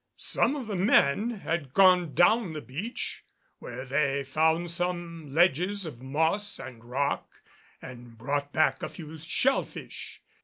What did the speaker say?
Some of the men had gone down the beach, where they found some ledges of moss and rock and brought back a few shell fish.